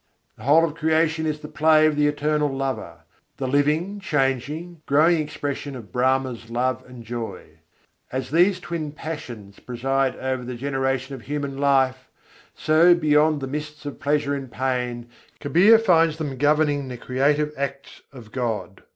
The whole of creation is the Play of the Eternal Lover; the living, changing, growing expression of Brahma's love and joy. As these twin passions preside over the generation of human life, so "beyond the mists of pleasure and pain" Kabîr finds them governing the creative acts of God.